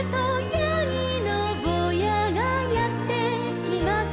「やぎのぼうやがやってきます」